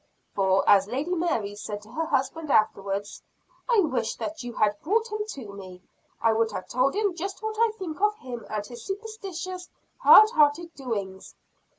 For, as Lady Mary said to her husband afterwards, "I wish that you had brought him to me. I would have told him just what I think of him, and his superstitious, hard hearted doings.